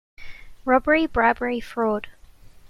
Robbery, bribery, fraud,